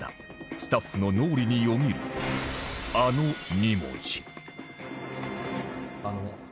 スタッフの脳裏によぎるあの２文字